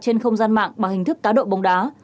trên không gian mạng bằng hình thức cá độ bóng đá